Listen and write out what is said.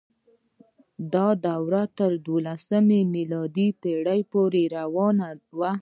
دا دوره تر اوولسمې میلادي پیړۍ پورې روانه وه.